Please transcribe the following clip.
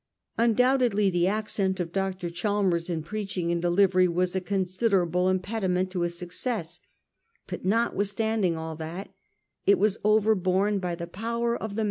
Undoubtedly the accent of Dr. Chalmers in preaching and delivery was a consider able impediment to his success ; but notwithstanding all that, it was overborne by the power of the mn.